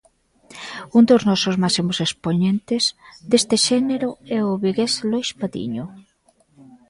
Un dos nosos máximos expoñentes deste xénero é o vigués Lois Patiño.